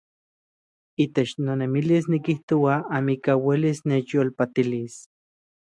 Itech noyolilis nikijoa amikaj uelis nechyolpatilis.